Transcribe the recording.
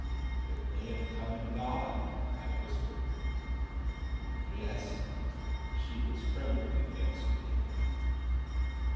"It may have come and gone," I whispered. "Yes." She was trembling against me.